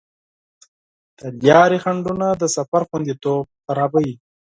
د لارې خنډونه د سفر خوندیتوب خرابوي.